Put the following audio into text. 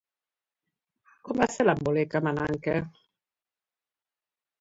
Com va ser l'embolic amb Ananke?